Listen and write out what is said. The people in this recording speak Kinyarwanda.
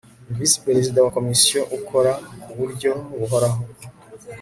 Visi Perezida wa Komisiyo ukora ku buryo buhoraho